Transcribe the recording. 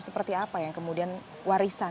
seperti apa yang kemudian warisan